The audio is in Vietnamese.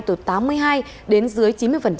từ tám mươi hai đến dưới chín mươi